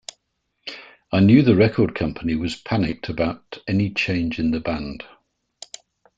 I knew the record company was panicked about any change in the band.